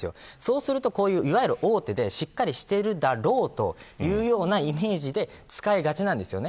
そうするといわゆる大手でしっかりしているだろうというようなイメージで使いがちなんですよね。